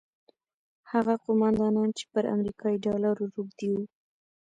هغه قوماندانان چې پر امریکایي ډالرو روږدي وو.